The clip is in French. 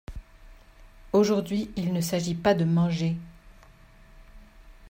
Aujourd’hui il ne s’agit pas de manger.